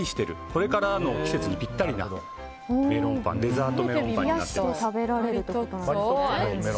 これからの季節にぴったりなデザートメロンパンになっています。